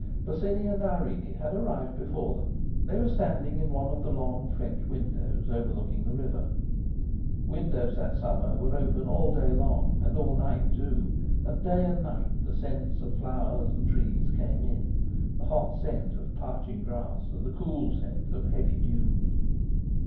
Bosinney and Irene had arrived before them. They were standing in one of the long French windows overlooking the river. Windows that summer were open all day long, and all night too, and day and night the scents of flowers and trees came in, the hot scent of parching grass, and the cool scent of the heavy dews.